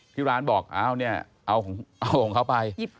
ที่ร้านบอกเอาของเค้าไป